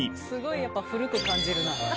すごいやっぱ古く感じるな。